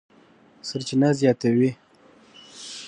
سرچینه زیاتوي،